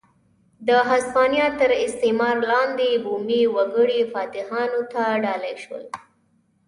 د هسپانیا تر استعمار لاندې بومي وګړي فاتحانو ته ډالۍ شول.